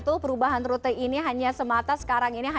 diberikan oleh flash